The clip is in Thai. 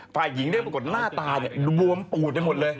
ฝ่ายหญิงได้ปรากฏหน้าตารวมปูดได้หมดเลย